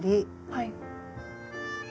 はい。